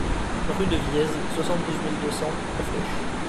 Rue de Viez, soixante-douze mille deux cents La Flèche